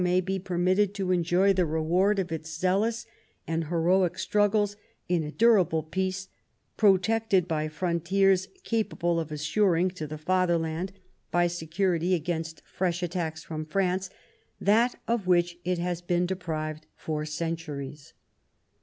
ay be permitted to enjoy the reward of its zealous and heroic struggles in a durable peace, protected by frontiers capable of assuring to the Fatherland, by security against 164 The German Empire fresh attacks from France, that of which it has been deprived for centuries."